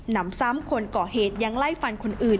นำซ้ำคนก่อเหตุยังไล่ฟันคนอื่น